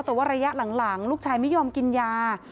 แต่ว่าระยะหลังลูกชายไม่ยอมกินยา